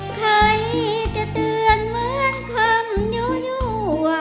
ใครจะเตือนเหมือนคำอยู่